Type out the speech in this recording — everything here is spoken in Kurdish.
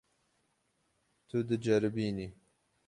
Tu diceribînî.